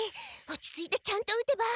落ち着いてちゃんと打てば。